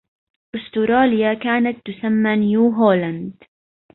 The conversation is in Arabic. أستراليا كانت تسمى نيو هولاند.